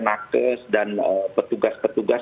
nakes dan petugas petugas